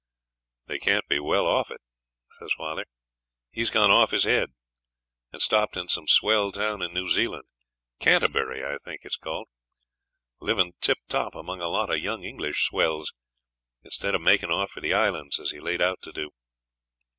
'They can't be well off it,' says father. 'He's gone off his head, and stopped in some swell town in New Zealand Canterbury, I think it's called livin' tiptop among a lot of young English swells, instead of makin' off for the Islands, as he laid out to do.'